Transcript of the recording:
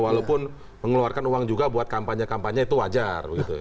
walaupun mengeluarkan uang juga buat kampanye kampanye itu wajar